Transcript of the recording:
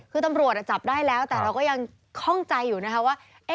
คือตำรวจจับได้แล้วแต่เราก็ยังคล่องใจอยู่นะคะว่า